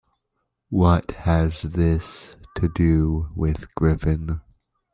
What has this to do with Griffin?